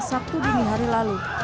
sabtu dini hari lalu